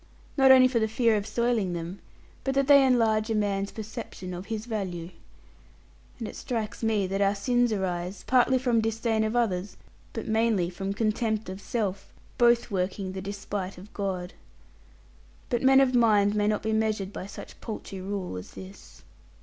Not only for the fear of soiling them, but that they enlarge a man's perception of his value. And it strikes me that our sins arise, partly from disdain of others, but mainly from contempt of self, both working the despite of God. But men of mind may not be measured by such paltry rule as this.